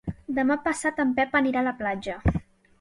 Demà passat en Pep anirà a la platja.